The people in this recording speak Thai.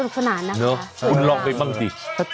คุณลองไปบ้างดิ